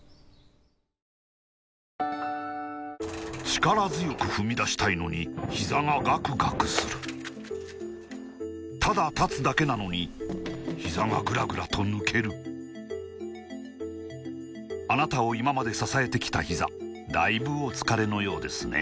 力強く踏み出したいのにひざがガクガクするただ立つだけなのにひざがグラグラと抜けるあなたを今まで支えてきたひざだいぶお疲れのようですね